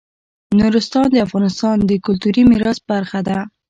نورستان د افغانستان د کلتوري میراث برخه ده.